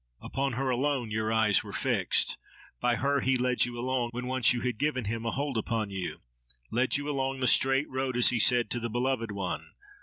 Upon her alone your eyes were fixed; by her he led you along, when once you had given him a hold upon you—led you along the straight road, as he said, to the beloved one.